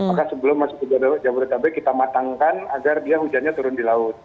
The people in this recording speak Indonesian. masuk ke jamboree tabek kita matangkan agar dia hujannya turun di laut